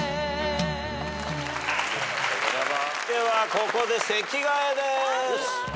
ではここで席替えでーす。